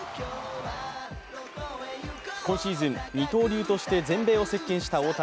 今シーズン、二刀流として全米を席けんした大谷。